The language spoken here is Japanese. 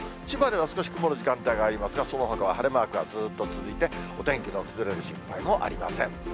千葉では少し曇る時間帯がありますが、そのほかは晴れマークがずっと続いて、お天気の崩れる心配もありません。